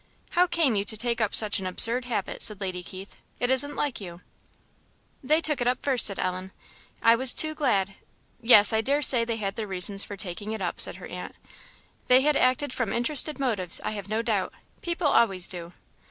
"How came you to take up such an absurd habit?" said Lady Keith. "It isn't like you." "They took it up first," said Ellen; "I was too glad " "Yes, I dare say they had their reasons for taking it up," said her aunt; "they had acted from interested motives, I have no doubt; people always do."